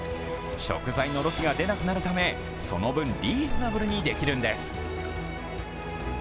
食材のロスが出なくなるためその分リーズナブルにできるんです。